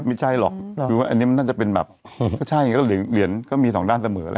ไม่ใช่หรอกคือว่าอันนี้มันน่าจะเป็นแบบใช่ก็เหรียญก็มีสองด้านเสมอเลย